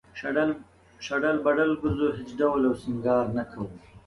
شډل بډل گرځو هېڅ ډول او سينگار نۀ کوو